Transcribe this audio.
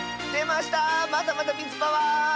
またまたみずパワー！